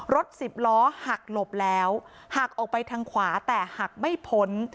รถสิบล้อหักหลบแล้วหักออกไปทางขวาแต่หักไม่พ้น